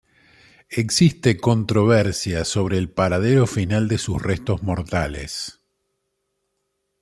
Existe controversia sobre el paradero final de sus restos mortales.